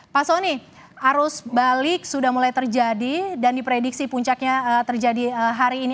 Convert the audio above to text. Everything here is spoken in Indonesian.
pak soni arus balik sudah mulai terjadi dan diprediksi puncaknya terjadi hari ini